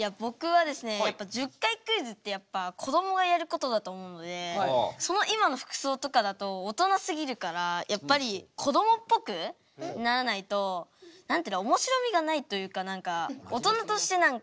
僕は１０回クイズってやっぱこどもがやることだと思うのでその今の服装とかだと大人すぎるからやっぱりこどもっぽくならないとおもしろみがないというか何か大人として何か恥っていうのが。